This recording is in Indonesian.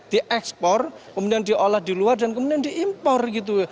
diekspor kemudian diolah di luar dan kemudian diimpor gitu